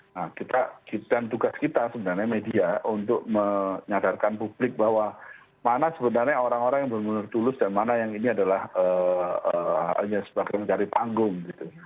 nah kita dan tugas kita sebenarnya media untuk menyadarkan publik bahwa mana sebenarnya orang orang yang benar benar tulus dan mana yang ini adalah hanya sebagai pencari panggung gitu